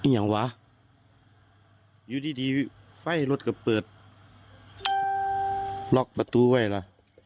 อ้าวอย่างเงี้ยวะอยู่ดีไฟรถกับเปิดล็อคประตูไว้ล่ะ